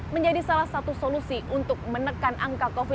menjadi salah satu solusi untuk menekan angka covid sembilan belas